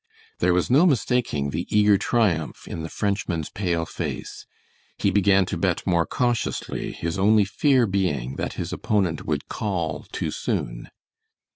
There was no mistaking the eager triumph in the Frenchman's pale face. He began to bet more cautiously, his only fear being that his opponent would "call" too soon.